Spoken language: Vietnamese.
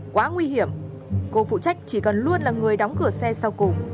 quá nguy hiểm cô phụ trách chỉ cần luôn là người đóng cửa xe sau cùng